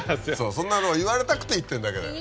そんなのを言われたくて行ってるだけだよ。